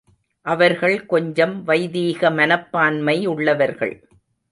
அவர்கள் கொஞ்சம் வைதீக மனப்பான்மை உள்ளவர்கள்.